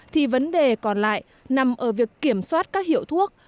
thì vấn đề còn lại nằm ở việc kiểm soát các hiệu thuốc